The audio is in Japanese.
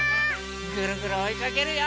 ぐるぐるおいかけるよ！